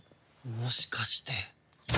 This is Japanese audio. もしかして。